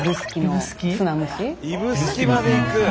指宿まで行く？